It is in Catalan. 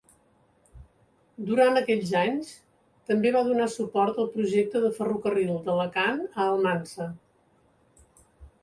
Durant aquells anys també va donar suport al projecte de ferrocarril d'Alacant a Almansa.